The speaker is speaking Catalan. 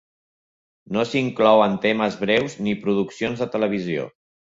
No s'inclouen temes breus ni produccions de televisió.